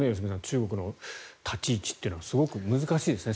中国の立ち位置はすごく難しいですね。